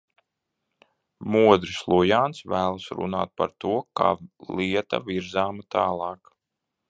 Modris Lujāns vēlas runāt par to, kā lieta virzāma tālāk.